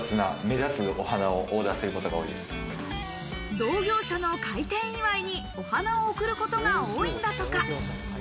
同業者の開店祝いにお花を贈ることが多いんだとか。